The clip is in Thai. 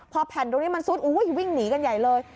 ครับแผ่นมันซุดอุ้ยวิ่งหนีกันใหญ่เลย